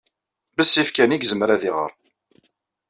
Bessif kan ay yezmer ad iɣer.